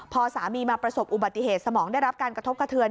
พอสามีมาประสบอุบัติเหตุสมองได้รับการกระทบกระเทือน